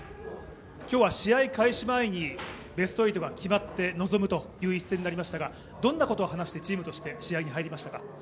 今日は試合開始前にベスト８が決まって臨む一戦でしたがどんなことを話してチームとして試合に入りましたか？